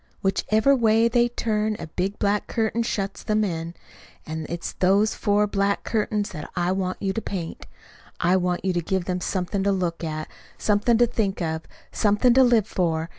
Whichever way they turn a big black curtain shuts them in. And it's those four black curtains that I want you to paint. I want you to give them something to look at, something to think of, something to live for.